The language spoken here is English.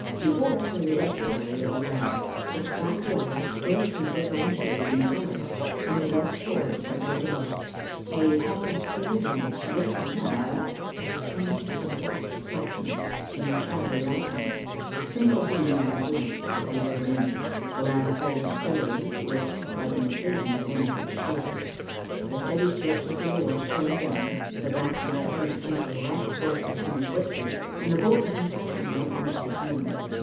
Before us lay the estuary of the Yar, its black water scarcely differentiated in color from the dark shores that rose above it. A huddle of buildings lifting on our left changed from blots of blackness into shadowy outlines, sprinkled here and there with light, as we rowed in. The lad pulled steadily, with but an occasional glance at the shore. The steady strokes of the oar slowed down, the blackness ahead seemed to rush towards us more swiftly, and the boat ran silently up on to the sand.